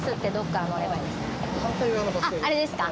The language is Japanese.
あれですか？